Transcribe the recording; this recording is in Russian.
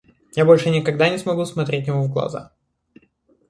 Я больше никогда не смогу смотреть ему в глаза.